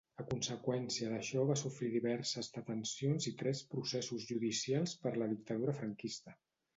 A conseqüència d'això va sofrir diverses detencions i tres processos judicials per la dictadura franquista.